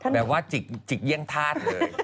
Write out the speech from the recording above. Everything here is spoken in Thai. แบบว่าจิกเยี่ยงพาด